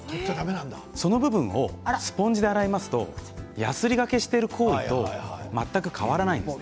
その部分をスポンジで洗いますとやすりがけをしている行為と全く変わらないです。